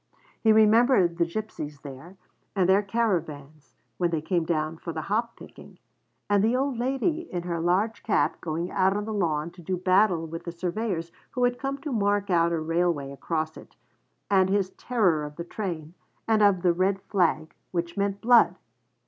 He remembered the gipsies there, and their caravans, when they came down for the hop picking; and the old lady in her large cap going out on the lawn to do battle with the surveyors who had come to mark out a railway across it; and his terror of the train, and of 'the red flag, which meant blood.'